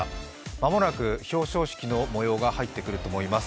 間もなく表彰式の模様が入ってくると思います。